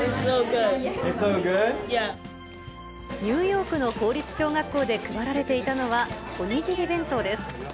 ニューヨークの公立小学校で配られていたのは、お握り弁当です。